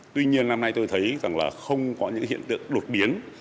tuy nhiên năm nay tôi thấy rằng là không có những hiện tượng đột biến